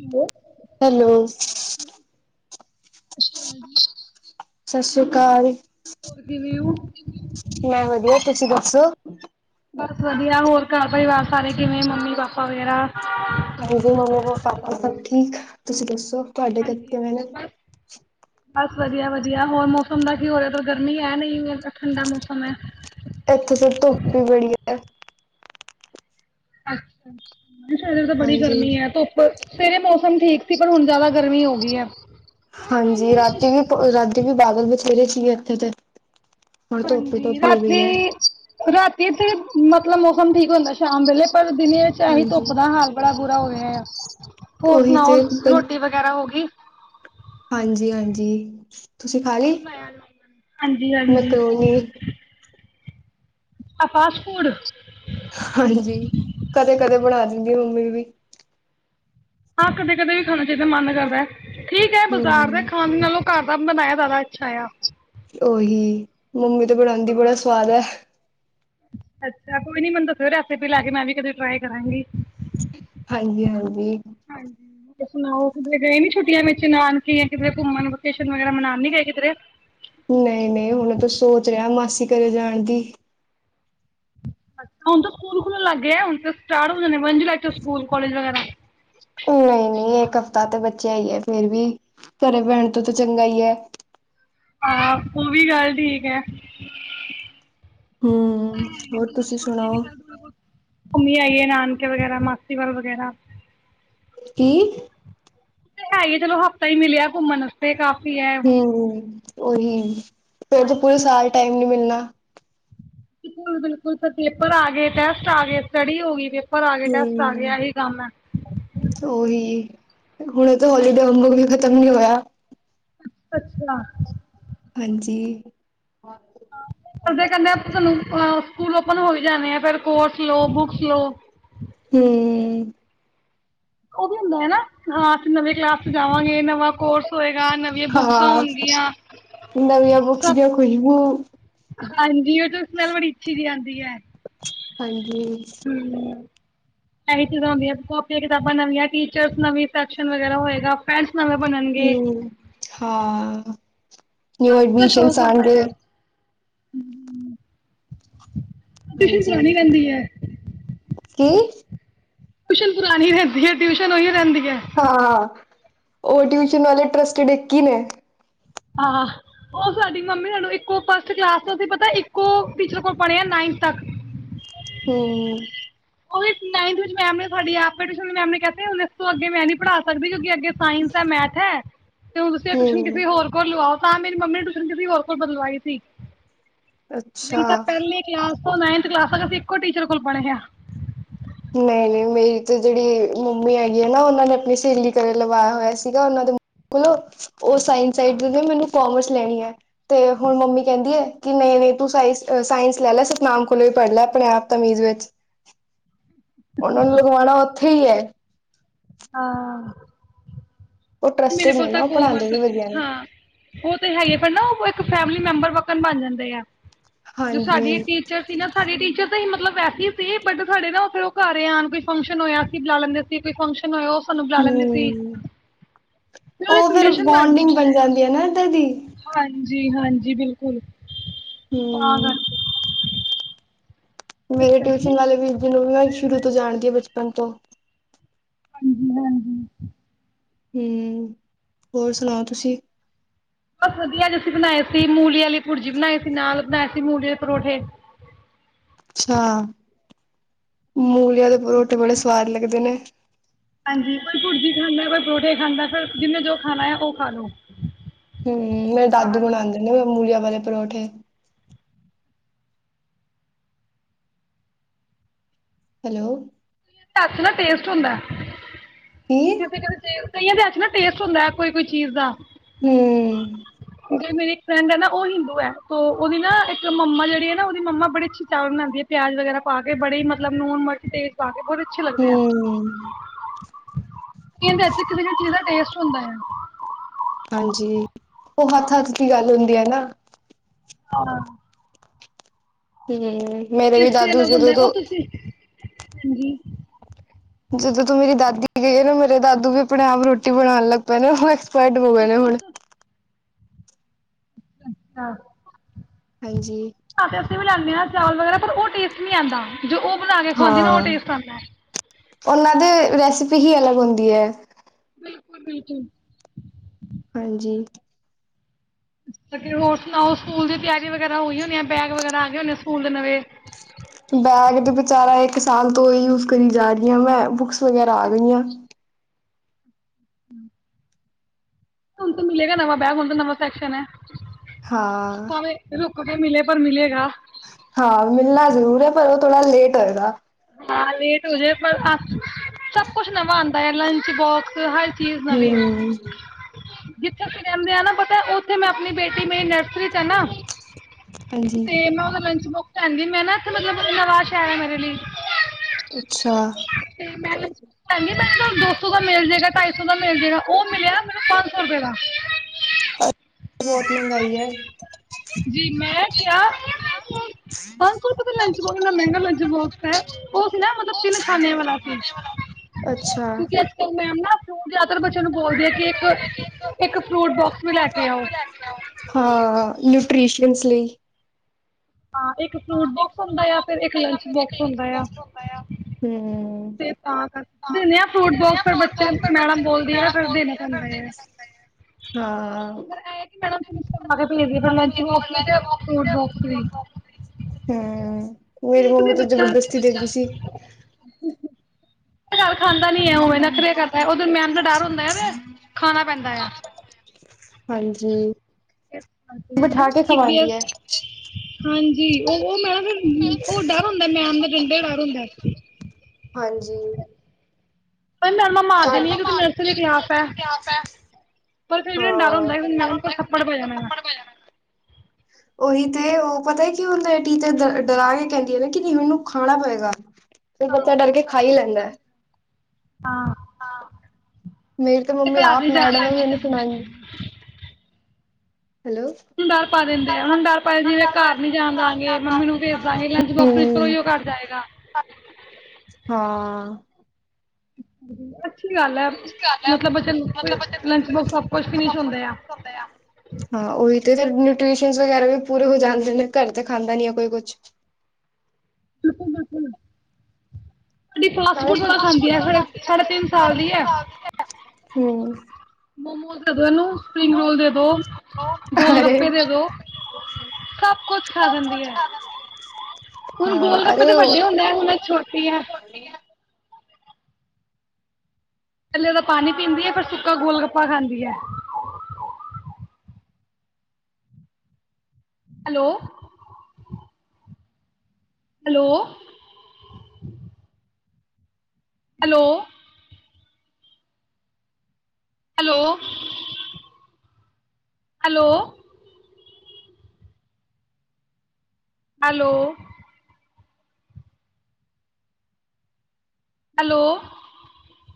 Hello. Hello. ਸਤਿ ਸ੍ਰੀ ਅਕਾਲ। ਹੋਰ ਕਿਵੇਂ ਹੋ? ਮੈਂ ਵਧੀਆ, ਤੁਸੀਂ ਦੱਸੋ? ਬਸ ਵਧੀਆ, ਹੋਰ ਘਰ ਪਰਿਵਾਰ ਸਾਰੇ ਕਿਵੇਂ ਮੰਮੀ ਪਾਪਾ ਵਗੈਰਾ? ਹਾਂਜੀ ਮੰਮੀ ਪਾਪਾ ਸਭ ਠੀਕ, ਤੁਸੀਂ ਦੱਸੋ? ਤੁਹਾਡੇ ਕਿ ਹਾਂਜੀ ਕਿਵੇਂ ਨੇ? ਬਸ ਬਸ ਵਧੀਆ-ਵਧੀਆ ਹੋਰ ਮੌਸਮ ਦਾ ਕੀ ਹੋ ਰਿਹਾ ਗਰਮੀ ਐ ਨੀ ਠੰਡਾ ਮੌਸਮ ਹੈ। ਇੱਥੇ ਤੇ ਧੁੱਪ ਵੀ ਬੜੀ ਹੈ। ਅੱਛਾ। ਸ਼ ਤਾਂ ਬੜੀ ਹਾਂਜੀ। ਗਰਮੀ ਹੈ ਧੁੱਪ ਸਵੇਰੇ ਮੌਸਮ ਠੀਕ ਸੀ ਪਰ ਹੁਣ ਜ਼ਿਆਦਾ ਗਰਮੀ ਹੋ ਗਈ ਹੈ। ਹਾਂਜੀ ਰਾਤੀ ਵੀ ਰਾਤੀ ਵੀ ਬਾਦਲ ਵਿੱਚ ਵਹਰੇ ਸੀਏ ਇੱਥੇ ਤੇ ਹੁਣ ਧੁੱਪ ਹੀ ਹਾਂਜੀ ਧੁੱਪ ਰਾ ਹੋਈ ਪਈ ਹੈ। ਰਾ। ਇੱਥੇ ਮਤਲਬ ਮੌਸਮ ਠੀਕ ਹੁੰਦਾ ਸ਼ਾਮ ਵੇਲੇ ਪਰ ਦੁਨੀਆਂ ਚ ਆਹੀ ਹਾਂਜੀ, ਧੁਪ ਦਾ ਹਾਲ ਬੜਾ ਬੁਰਾ ਹੋ ਗਿਆਹਾ ਆ। ਹੋਰ ਉਹੀ ਸੁਣਾਓ ਤੇ ਪੰ ਰੋਟੀ ਵਗੈਰਾ ਹੋ ਗਈ। ਹਾਂਜੀ ਹਾਂਜੀ। ਕਿ ਲ। ਮੋਨੀ। ਆ ਫਾਸਟ ਫੂਡ। ਹਾਂਜੀ ਕਦੇ ਕਦੇ ਬਣਾ ਦਿੰਦੀ ਮੰਮੀ ਵੀ। ਹਾਂ ਕਦੇ ਕਦੇ ਵੀ ਖਾਣਾ ਚਾਹੀਦਾ ਮਨ ਕਰਦਾ। ਠੀਕ ਹੈ ਬਾਜ਼ਾਰ ਦੇ ਹੂੰ, ਖਾਣ ਨਾਲੋਂ ਘਰ ਦਾ ਬਨਾਇਆ ਜ਼ਿਆਦਾ ਅੱਛਾ ਆ। ਉਹੀ ਮੰਮੀ ਤੇ ਬਣਾਉਂਦੀ ਬੜਾ ਸਵਾਦ ਹੈ। ਅੱਛਾ ਕੋਈ ਨੀ ਮੈਨੂੰ ਦੱਸਓ ਰੈਸਪੀ ਲਾ ਕੇ ਮੈਂ ਵੀ ਕਦੇ ਟਰਾਈ ਕਰਾਂਗੀ। ਹਾਂਜੀ ਹਾਂਜੀ, ਹਾਂਜੀ ਸੁਣਾਓ ਕਿਧਰੇ ਗਏ ਨੀ ਛੁੱਟੀਆਂ ਵਿੱਚ ਨਾਨਕੀਆਂ ਕਿਧਰੇ ਘੁੰਮਣ ਵਕੇਸ਼ਨ ਵਗੈਰਾ ਮਨਾਣ ਨੀ ਗਏ ਕਿਧਰੇ ਨਹੀ ਨਹੀਂ ਹੁਣ ਤਾਂ ਸੋਚ ਰਿਹਾ ਮਾਸੀ ਘਰੇ ਜਾਣ ਦੀ ਅੱ ਹੁਣ ਤ ਸਕੂਲ ਖੁਲਣ ਲੱਗ ਗ ਹੁਣ ਸਟਾਰਟ ਹੋ ਜਾਣੇ ਜੁਲਾਈ ਤੋਂ ਸਕੂਲ ਕਾਲਜ ਵਗੈਰਾ ਨਹੀਂ ਇੱਕ ਹਫ਼ਤਾ ਤੇ ਬੱਚੇ ਆਈ ਹੈ ਫੇਰ ਵੀ ਘਰੇ ਬੈਣ ਤੋਂ ਤਾਂ ਚੰਗਾ ਹੀਈ ਹੈ। ਆਹ ਉਹ ਵੀ ਗੱਲ ਠੀਕ ਹੈ। ਹੈ ਹਮ ਨ ਹੋਰ ਬੰਦਾ ਤੁਸੀਂ ਦਾ ਹੀ ਨ ਸੁਣਾਓ ਕੋ ਘੁੰਮੀ ਆਈਏ। ਨਾਨਕੇ ਵਗੈਰਾ ਮਾਸੀ ਵਾਲ ਵਗੈਰਾ ਕੀ, ਹੈ ਹੀ ਹੈ ਚਲੋ ਹਫ਼ਤਾ ਹੀ ਮਿਲਿਆ ਘੁੰਮਣ ਵਾਸਤੇ ਕਾਫੀ ਹੈ ਹੂੰ-ਹੂੰ ਉਹੀ ਫੇਰ ਤੋਂ ਪੂਰੇ ਸਾਲ ਟਾਈਮ ਨੀ ਮਿਲਣਾ। ਬਕੁਲ ਬਿਲਕੁਲ ਪੇਪਰ ਆ ਗਏ ਟੈਸਟ ਆ ਗਏ ਸਟੱਡੀ ਹੋ ਗਈ। ਆ ਗਏ ਟੈਸਟ ਆ ਗਏ ਇਹੀ ਕੰਮ ਹੈ ਹੂੰ ਹੀ ਹੁਣ ਇਹ ਤਾਂ ਹੋਲੀਡੇ ਵੀ ਖ਼ਤਮ ਨੀ ਹੋਇਆ। ਅੱਛ ਅੱਛਾ ਹਾਂਜੀ ਉਹਦੇ ਕ ਤੁਹਨੂੰ ਅਹ, ਸਕੂਲ ਓਪਨ ਹੋ ਵੀ ਜਾਂਣੇ ਆ ਫਿਰ ਕੋਰਸ ਲੋ ਬੁੱਕਸ ਲੋਓ। ਹੂੰ ਉਹ ਵੀ ਹੁੰਦਾ ਹੈਾ ਹਾਂ ਅਸੀਂ ਨਵੇਂ ਕਲਾਸ ਚ ਜਾਵਾਂਗੇ ਨਵਾਂ ਕੋਰਸ ਹੋਏਗਾ। ਨਵੀਆਂ ਬੁੱਕਸਾਂ ਹਾਂ ਹੋਣਗੀਆਂ ਨਵੀਆ ਬੁੱਕਸ ਸਭ ਦੀ ਖੁਸ਼ਬੂ ਹਾਂਜੀ ਉਹ ਤੇ ਸਮੈਲ ਬੜੀ ਅੱਛੀ ਜੀ ਆਦੀ ਐ। ਹਾਂਜੀ ਇਹੀ ਚੀਜ਼ਾਂ ਹੁੰਦੀਆਂ ਕਾਪੀਆਂ ਕਿਤਾਬਾਂ ਨਵੀਆਂ ਟੀਚਰਸ ਨਵੀਂ ਸੈਕਸ਼ਨ ਵਗੈਰਾ ਹੋਏਗਾ ਨਵੇਂ ਬਣਨਗੇ ਹੂੰ ਹਾਂ ਨਿਉ ਸਭ ਦਾ ਐਡਮਿਸ਼ਨ ਸ਼ੌਕ ਹੁੰਦਾ ਆਣਗੇ। ਹੈ ਟਿਊਸ਼ਨ ਹਾਂਜੀ ਕਰਣੀ ਪੈਂਦੀ ਹੈ। ਕੀ ਟਿਊਸ਼ਨ ਪੁਰਾਣੀ ਰਹਿੰਦੀ ਹੈ ਟਿਊਸ਼ਨ ਉਹੀ ਰਹਿੰਦੀ। ਆ ਹੈ ਹਾਂ ਉਹ ਟਿਊਸ਼ਨ ਵਾਲੇ ਟਰਸਟਡ ਇੱਕ ਹੀ ਨੇ ਆਹੋ ਉਹ ਸਾਡੀ ਮੰਮੀ ਸਾਨੂੰ ਇੱਕੋ ਫਸਟ ਕਲਾਸ ਤੋਂਂ ਪਤਾ ਇੱਕੋ ਟੀਚਰ ਕੋਲ ਪੜ੍ਹੇ ਆ ਨਾਈਨਥ ਤੱਕ ਹੂੰ ਉਹੀ ਮੈ ਆਪ ਹਣ ਇਸ ਤੋਂ ਅੱਗੇ ਮੈਂ ਨਹੀਂ ਪੜ੍ਹਾ ਸਕਦੀ ਕਿਉਕਿ ਸਾਇੰਸ ਹੈ ਮੈਥ ਹੈ। ਤੇ ਹੁਣ ਤੁਸੀਂ ਟਿਸ਼ਨ ਹਮ ਕਿਸੇ ਹੋਰ ਕੋਲ ਲਗਾਓ, ਤਾਂ ਮੇਰੀ ਮੰਮੀ ਨੇ ਟਊਸ਼ਨ ਕਿੇ ਹੋਰ ਕੋਲ ਬਦਲਵਾਈ ਸੀ ਅੱਛਾ ਨਹੀਂ ਤਾਂ ਪਹਿਲੀ ਕਲਾਸ ਉਹ ਨਾਈਨਥ ਕਲਾਸ ਤੱਕ ਅਸੀਂ ਇੱਕੋ ਟੀਚਰ ਕੋਲ ਪੜੇ ਆ ਨਹੀਂ ਨਹੀਂ ਮੇਰੀ ਤੇ ਜਿਹੜੀ ਮੰਮੀ ਹੈਗੀ ਹੈ ਨਾ ਉਹਨਾਂ ਨੇ ਆਪਣੀ ਸਹੇਲੀ ਘਰੇ ਲਵਾਇਆ ਹੋਇਆ ਸੀਗਾ ਉਹਨਾਂ ਦੇ ਕੋਲੋਂ ਉਹ ਸਾਇ ਸ ਮੈਨੂੰ ਕਾਮਰਸ ਲੈਣੀ ਹੈ ਤੇ ਹੁਣ ਮੰਮੀ ਕਹਿੰਦੀ ਹੈ ਕਿ ਨਹੀਂ ਨਹੀਂ ਤੂੰ ਸਾਇ ਸਾਇੰਸ ਲੈ ਲੈ ਸਤਨਾਮ ਕੋਲੋਂ ਵੀ ਪੜ੍ਹ ਲੈ ਆਪਣੇ ਆਪ ਤਮੀਜ਼ ਵਿੱਚ ਉਹਨਾਂ ਨੂੰ ਲਗਵਾਉਣਾ ਉੱਥੇ ਹੀ ਹੈ ਹਾਂ ਉਹ ਮੇਰੇ ਟਰਸਟਡ ਕੋਲ ਨੇ ਨਾ ਤੱਕ ਉਹ ਕੋਮਾ ਪੜ੍ਹਾਉਂਦੇ ਵੀ ਸੀ ਵਧੀਆ ਨੇ ਹਾਂ ਉਹ ਤੇ ਹੈਗੇ ਪਰ ਨਾ ਉਹ ਇੱਕ ਫੈਮਿਲੀ ਮੈਂਬਰ ਵਾਕਣ ਬਣ ਜਾਂਦੇ ਆ ਜੋ ਹਾਂਜੀ ਸਾਡੀ ਹਮ ਟੀਚਰ ਸੀ ਨਾ ਸਾਡੇ ਟੀਚਰ ਤਾਂ ਹੀ ਮਤਲਬ ਵੈਸੇ ਹੀ ਸੀ ਬਟ ਸਾਡੇ ਨਾ ਉ ਫੇ ਉਹ ਘਰ ਆਉਣ ਕੋਈ ਫੰਕਸ਼ਨ ਹੋਇਆ ਸੀਂ ਬੁਲਾ ਲੈਂਦੇ ਸੀ ਕੋਈ ਫੰਕਸ਼ਨ ਹੋਇਆ ਉਹ ਸਾਨੂੰ ਬੁਲਾ ਲੈਂਦੀ ਸੀ ਉਹ ਫੇਰ ਬੋਂਡਿੰਗ ਬਣ ਜਾਂਦੀ ਹੈ ਨਾ ਫਿਰ ਦੀ ਹਾਂ ਹਾਂਜੀ ਹਾਂਜੀ ਬਿਲਕੁਲ ਹੂੰ ਤਾਂ ਕਰਕੇ ਮੇਰੇ ਟਿਊਸ਼ਨ ਵਾਲੇ ਵੀਰ ਜੀ ਨੂੰ ਵੀ ਮੈਂ ਸ਼ੁਰੂ ਤੋਂ ਜਾਣਦੀ ਬਚ ਪਰ ਤੋਂ ਹੂੰ ਹੂੰ ਹੂੰ ਹੂੰ ਹੋਰ ਸੁਣਾਓ ਤੁਸੀਂ ਬਸ ਵਧੀਆ ਅੱਜ ਅਸੀਂ ਬਣਾਏ ਸੀ ਮੂਲੀ ਵਾਲੀ ਭੁਰਜੀ ਬਣਾਈ ਸੀ ਨਾਲ ਬਣਾਏ ਸੀ ਮੂਲੀ ਦੇ ਪਰੌਠੇ ਆਹ ਮੂਲੀਆਂ ਦੇ ਪਰੋਠੇ ਬੜੇ ਸਵਾਦ ਲੱਗਦੇ ਨੇ ਹਾਂਜੀ ਕੋਈ ਭੁਰਜੀ ਖਾਂਦਾ ਕੋਈ ਪ੍ਰੋਠੇ ਖਾਂਦਾ ਫਿਰ ਜਿਵੇਂ ਜੋ ਖਾਣਾ ਆ ਉਹ ਖਾ ਲਓ ਹਮ ਮੇਰੇ ਦਾਦੂ ਬਣ ਆਉਂਦੇ ਨੇ ਮੂਲੀਆਂ ਵਾਲੇ ਪਰੌਠੇ ਹੈਲੋ ਨਾ ਟੇਸਟ ਹੁੰਦਾ ਕੀ? ਕਿਉਂਕਿ ਜਦੋਂਂ ਟੇਸਟ ਕਈਆਂ ਦੇ ਹੱਥ ਨਾ ਟੇਸਟ ਹੁੰਦਾ ਹੈ ਕੋਈ ਕੋਈ ਚੀਜ਼ ਦਾ ਹੂੰ ਕਿ ਮੇਰੀ ਇੱਕ ਫਰੈਂਡ ਹੈ ਨਾ ਉਹ ਹਿੰਦੂ ਹੈ ਤੇ ਉਹਦੀ ਨਾ ਇੱਕ ਮੰਮਾ ਜਿਹੜੀ ਹੈ ਨਾ ਉਹਦੀ ਮੰਮਾ ਬੜੀ ਅੱਛੀ ਚਾਵਲ ਬਣਾਉਦੀਏ ਪਿਆਜ ਵਗੈਰਾ ਪਾ ਕੇ ਬੜੇ ਹੀ ਮਤਲਬ ਲੂਣ ਮਿਰਚ ਤੇਜ਼ ਪਾ ਕੇ ਬਹੁਤ ਅੱਛੇ ਲੱਗਦੇ ਆ ਹਮ ਕਈਆ ਦੇ ਅੱਛੇ ਟੈਸਟ ਹੁੰਦਾ ਆ ਹਾਂਜੀ ਉਹ ਹੱਥ ਹੱਥ ਕੀ ਗੱਲ ਹੁੰਦੀ ਹੈ ਨਾ ਹਾਂ ਹੂੰ ਮੇਰੇ ਵੀ ਟੇਸਟ ਹੀ ਦਾਦੂ ਅਲੱਗ ਜ ਦੋ ਹੁੰਦਾ ਹੈ। ਦੋ ਉਹ ਤੁਸੀਂ ਹਾਂਜੀ ਜਦੋਂ ਤੂੰ ਮੇਰੀ ਦਾਦੀ ਗਈ ਆ ਨਾ ਮੇਰੇ ਦਾਦੂ ਵੀ ਆਪਣੇ ਆਪ ਰੋਟੀ ਬਣਾਉਣ ਲੱਗ ਪਏ ਨੇ ਫੈਟ ਬੋ ਗਏ ਨੇ ਹੁਣ ਅੱਛਾ ਅੱਛਾ ਹਾਂ ਹ ਤੇ ਅਸੀਂ ਵੀ ਲੈਣਾ ਚਾਵਲ ਵਗੈਰ ਪਰ ਉਹ ਟੇਸਟ ਨੀ ਆਉਂਦਾ ਜੋ ਉਹ ਬਣਾ ਕੇ ਖਵਾਉਂਦੀ ਨਾ ਉਹ ਹਾਂ। ਟੇਸਟ ਆਉਂਦਾ ਉਹਨਾਂ ਦੇ ਰੈਸਪੀ ਹੀ ਅਲੱਗ ਹੁੰਦੀ ਹੈ ਬਿਲਕੁਲ ਬਿਲਕੁਲ ਹਾਂਜੀ ਹੋਰ ਸੁਣਾਓ ਸਕੂਲ ਦੀ ਤਿਆਰੀ ਵਗੈਰਾ ਹੋ ਗਈ ਹੋਣੀ ਬੈਗ ਵਗੈਰਾ ਆ ਗਏ ਹੋਣੇ ਸਕੂਲ ਦੇ ਨਵੇਂ ਬੈਗ ਤੇ ਵਿਚਾਰਾ ਇੱਕ ਸਾਲ ਤੋਂ ਹੀ ਯੂਜ ਕਰੀ ਜਾ ਰਹੀ ਹਾਂ ਮੈਂ। ਬੁੱਕਸ ਵਗੈਰਾ ਆ ਗਈਆਂ। ਹਮ [inaudible] ਹੁਣ ਤਾਂ ਮਿਲੇਗਾ ਨਵਾਂ ਬੈਗ ਹੁਣ ਤਾਂ ਨਵਾਂ ਸੈਸ਼ਨ ਹੈ। ਹਾਂ ਕ [inaudible] ਮਿਲੇ ਪਰ ਮਿਲੇਗਾ ਹਾਂ ਮਿਲਣਾ ਜ਼ਰੂਰ ਹੈ ਪਰ ਉਹ ਥੋੜਾ ਲੇਟ ਹੋਏਗਾ। ਹਾਂ ਲੇਟ ਹੋ ਜਾੇ ਪਰ ਸਭ ਕੁਛ ਨਵਾਂ ਆਉਂਦਾ ਆ ਲੰਚ ਬੋਕਸ ਹਰ ਚੀਜ਼ ਨਵੀਂ ਹਮ ਜਿੱਥੇ ਤੁਸੀਂ ਰਹਿੰਦੇ ਆ ਨਾ ਪਤਾ ਉੱਥੇ ਮੈਂ ਆਪਣੀ ਬੇਟੀ ਮੇਰੀ ਨਰਸਰੀ ਚ ਹੈ ਨਾ ਹਾਂਜੀ ਤੇ ਮੈਂ ਉਹਦਾ ਲੰਚ ਬੋਕਸ ਕਹਿੰਦੀ ਮੈਂ ਨਾ ਇੱਥੇ ਮਤਲਬ ਨਵਾਂ ਸ਼ਹਿਰ ਹੈ ਮੇਰੇ ਲਈ। ਅੱਛਾ! ਤੇ ਮੈਂ ਕਹਿੰਦੇ ਨੂੰ ਦੋ ਸੌ ਦਾ ਮਿਲ ਜੇਗਾ ਢਾਈ ਸੌ ਦਾ ਮਿਲ ਜਗਾ ਉਹ [inaudible] ਮਿਲਿਆ ਮੈਨੂੰ ਪੰਜ ਸੌ ਰੁਪਏ ਦਾ ਬਹੁਤ ਮਹਿੰਗਾਈ ਹੈ। ਜੀ ਮੈਂ ਕਿਆ ਪੰਜ ਸੌ ਰੁਪਏ ਦਾ ਲੰਚ ਬੋਕਸ ਇੰਨਾ ਮਹਿੰਗਾ ਲੰਚ ਬੋਕਸ ਹੈ ਉਹ ਸੀ ਨਾ ਮਤਲਬ ਤਿੰਨ ਖ਼ਾਨਿਆਂ। ਵਾਲਾ ਸੀ ਅੱਛਾ ਕਿਉਂਕਿ ਅੱਜ ਕੱਲ ਮੈਮ ਨਾ ਫਰੂਟ ਜ਼ਿਆਦਾਤਰ ਬੱਚਿਆਂ ਨੂੰ ਬੋਲਦੇ ਆ ਕਿ ਇੱਕ ਇੱਕ ਫਰੂਟ ਬੋਕਸ ਵੀ ਲੈ ਕੇ ਆਓ। ਪੇਸ਼ਸਸ਼ ਲਈ [inaudible] ਹਾਂ ਇੱਕ ਹਾਂ ਫਰੂਟ ਇੱਕ ਬਾਕਸ ਹੁੰਦਾ ਫਰੂਟ ਆ ਬੌਕਸ ਫਿਰ ਇੱਕ ਹੁੰਦਾ ਆ, ਲੰਚ ਤੇ ਇੱਕ ਬਾਕਸ ਲੰਚ ਬੌਕਸ ਹੁੰਦਾ ਆ, ਹਮ। ਤੇ ਤਾਂ ਕਰਕੇ ਦੇਨੇਆ ਫਰੂਟ ਬੌਕ੍ਸ ਪਰ ਬੱਚੇ, ਮੈਡਮ ਬੋਲਦੀ ਏ ਨਾ ਫੇਰ ਦੇਨੇ ਪੈਂਦੇ ਐਂ, ਹਾਂ ਪਰ ਲੰਚ ਬੌਕ੍ਸ ਵੀ ਤੇ, ਫਰੂਟ ਬੌਕਸ ਵੀ। ਹਮ ਮੇਰੀ ਠੀਕ ਮੰਮੀ ਵੀ ਤੇ ਬੱਚਾ ਜਬਰਦਸਤੀ ਦਿੰਦੀ ਸੀ। ਤੇ ਨਾਲੇ ਖਾਂਦਾ ਨੀ ਹੈ, ਉਵੇਂ ਨੱਖਰੇ ਕਰਦਾ ਹੈ, ਉਹ ਤੇ ਮੈਮ ਦਾ ਡਰ ਹੁੰਦਾ ਏ ਤੇ ਖਾਣਾ ਪੈਂਦਾ ਆ। ਹਾਂਜੀ [inaudible] ਬਿਠਾ ਕੇ ਖਵਾਉਂਦੀ ਹੈ ਹਾਂਜੀ ਉਹ ਉਹ ਮੈਡਮ ਜੀ ਉਹ ਡਰ ਹੁੰਦਾ ਏ ਮੈਮ ਦੇ ਡੰਡੇ ਡਰ ਹੁੰਦਾ ਏ। ਜੀ ਪਰ ਮੈਡਮਾਂ ਮਾਰਦੇ ਨੀਂ ਆ ਕਿਉਂਕਿ ਨਰਸਰੀ ਕਲਾਸ ਹੈ, ਪਰ ਫਿਰ ਵੀ ਨਾ ਡਰ ਔਰ ਹੁੰਦਾ ਕਿਉਂਕਿ ਮੈਡਮ ਕੋਲ ਥੱਪੜ ਪੈ ਜਾਨਾ ਹੈਗਾ। ਉਹੀ ਤੇ ਉਹ ਪਤਾ ਏ ਕੀ ਹੁੰਦਾਏ ਟੀਚਰ ਡ ਡਰਾ ਕੇ ਕਹਿੰਦੀਆ ਨੇਂ ਕਿਉਂਕੀ ਉਹਨਾਂ ਨੂੰ ਖਾਣਾ ਪਏਗਾ। ਤੇ ਬੱਚਾ ਹਾਂ ਡਰ ਕੇ ਖਾ ਈ ਲੈਂਦਾ ਐ, ਹਾਂ। ਮੇਰੀ ਤੇ ਮੰਮੀ ਘਰ ਆਪ ਨਹੀਂ ਜਾਣ ਮੈਡਮ ਏ, ਦੇਣਾ ਮੈਨੂੰ ਹੁਣ ਸੁਣਾਏਗੀ। ਡਰ ਪਾ ਦਿੰਦੇ ਐਂ, ਉਹਨੂੰ ਡਰ ਪਾਇਆ ਜਿਵੇਂ ਘਰ ਨੀ ਜਾਣ ਦਿਆਂਗੇ, ਮੰਮੀ ਨੂੰ ਭੇਜ ਦਿਆਂਗੇ, ਲੰਚ ਬੋਕਸ ਵਿੱਚੋ ਹੂੰ ਓਹਿਓ ਘਰ ਜਾਏਗਾ। ਹਾਂ [unintelligible] ਅੱਛੀ ਗੱਲ ਮਤਲਬ ਬੱਚੇ ਲੰਚ ਏ ਬਾਕਸ ਸਭ ਕੁਝ ਫਿਨਿਸ਼ ਹੁੰਦੇ ਆ [inaudible] ਹਾਂ ਓਹੀ ਤੇ [unintelligible] ਟਿਊਸ਼ਨ ਵਗੈਰਾ ਵੀ ਪੂਰੇ ਹੋ ਜਾਂਦੇ ਨੇ, ਘਰ ਤੇ ਖਾਂਦਾ ਨੀ ਹੈ ਕੋਈ ਕੁਛ। [unintelligible] [unintelligible] ਫੂਡ ਬੜਾ ਫਾਸਟ ਫੂਡ ਖਾਂਦੀ ਹੈ ਬੜਾ ਸਾਡੇ ਖਾਦੀ ਐ ਸਾਢੇ ਸਾਡੇ ਸਾਲ ਦੀ ਤਿੰਨ ਹੈ ਸਾਲ ਦੀ ਐ, ਹੰ। ਮੋਮੋਜ਼ [unintelligible] ਸਪਰਿੰਗ ਰੋਲ ਦੇ ਦੋ, ਗੋਲ ਅਰੇ ਗੱਪੇ ਦੇ ਦੋ, ਸਭ ਕੁਛ ਖਾ ਜਾਂਦੀ ਹੈ, ਹੁਣ ਹਾਂ ਗੋਲ ਗੱਪੇ ਅਰੇ ਤੇ ਉਹ ਵੱਡੇ ਹੁੰਦੇ ਏਂ ਹੁਣ ਇਹ ਛੋਟੀ ਐ। ਪਹਿਲੇ ਤੇ ਪਾਨੀ ਪੀਂਦੀ ਹੈ ਫਿਰ ਸੁੱਕਾ ਗੋਲ ਗੱਪਾ ਖਾਂਦੀ ਐ। Hello, hello, hello, hello, hello, hello, hello,